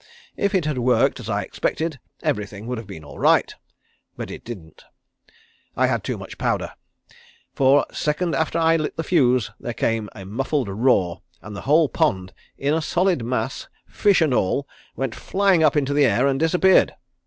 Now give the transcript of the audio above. If it had worked as I expected everything would have been all right, but it didn't. I had too much powder, for a second after I had lit the fuse there came a muffled roar and the whole pond in a solid mass, fish and all, went flying up into the air and disappeared.